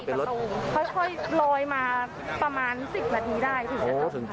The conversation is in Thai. ไม่เปิดประตูอะไรเลย